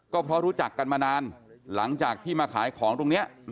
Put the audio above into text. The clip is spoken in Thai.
ก็เพราะรู้จักกันมานานหลังจากที่มาขายของตรงนี้